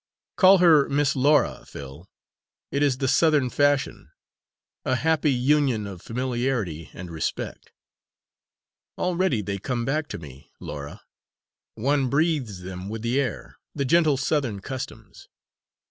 "Call her Miss Laura, Phil it is the Southern fashion a happy union of familiarity and respect. Already they come back to me, Laura one breathes them with the air the gentle Southern customs.